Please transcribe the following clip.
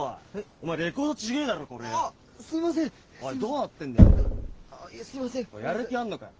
お前やる気あんのかよ！